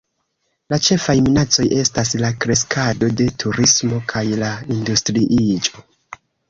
La ĉefaj minacoj estas la kreskado de turismo kaj la industriiĝo.